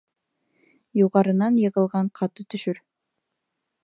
Юғарынан йығылған ҡаты төшөр.